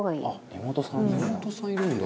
「妹さんいるんだ」